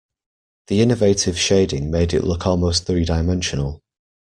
The innovative shading made it look almost three-dimensional.